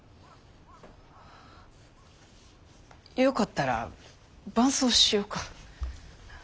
よかったら伴奏しよか？